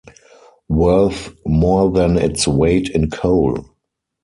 Worth more than its weight in coal!